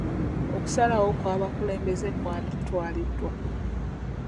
Okusalawo kw'abakulembeze kwanditwaliddwa.